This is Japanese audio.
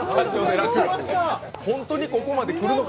本当にここまで来るのか